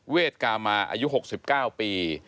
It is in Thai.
เวทกามาอายุหกสิบเก้าปี